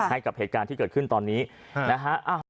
ให้กับเหตุการณ์ที่เกิดขึ้นตอนนี้นะฮะ